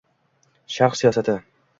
Sharq siyosati